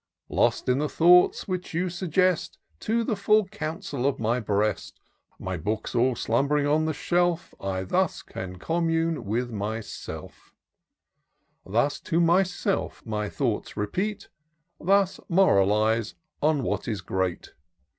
Lost in the thoughts which you suggest To the full counsel of my breast, My books all slumb'ring on the shelf, I thus can commune with myself; Thus to myself my thoughts repeat ; Thus moiralize on what is great.